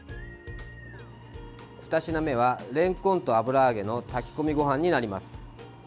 ２品目は、れんこんと油揚げの炊き込みごはんになります。